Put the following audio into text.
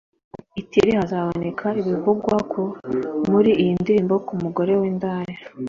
i Tiri hazaboneke ibivugwa muri iyi ndirimbo ku mugore w’indaya: